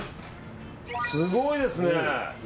すごいですね。